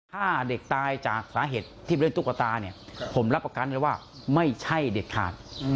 ถ้าเด็กตายจากสาเหตุที่ไปเล่นตุ๊กตาเนี่ยผมรับประกันเลยว่าไม่ใช่เด็ดขาด